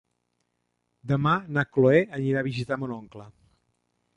Demà na Cloè anirà a visitar mon oncle.